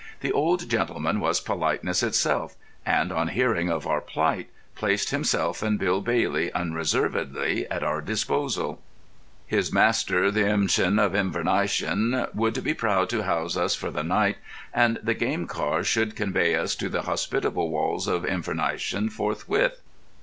The old gentleman was politeness itself, and on hearing of our plight placed himself and Bill Bailey unreservedly at our disposal. His master, The M'Shin of Inversneishan, would be proud to house us for the night, and the game car should convey us to the hospitable walls of Inversneishan forthwith.